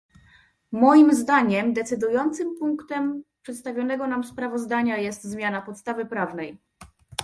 Moim zdaniem decydującym punktem przedstawionego nam sprawozdania jest zmiana podstawy prawnej